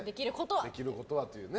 できることはというね。